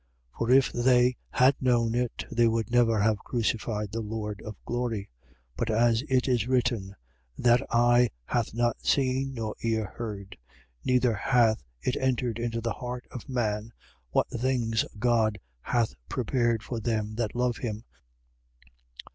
For if they had known it, they would never have crucified the Lord of glory. 2:9. But, as it is written: That eye hath not seen, nor ear heard: neither hath it entered into the heart of man, what things God hath prepared for them that love him.